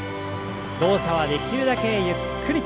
動作はできるだけゆっくり。